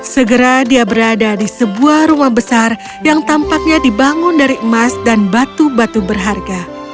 segera dia berada di sebuah rumah besar yang tampaknya dibangun dari emas dan batu batu berharga